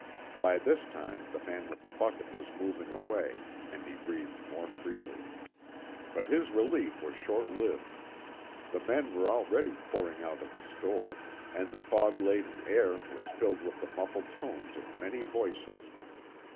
By this time the man with the bucket was moving away, and he breathed more freely. But his relief was short lived. The men were already pouring out of the store, and the fog laden air was filled with the muffled tones of many voices.